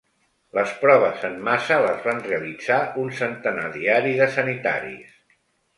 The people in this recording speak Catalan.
Les proves en massa les van realitzar un centenar diari de sanitaris.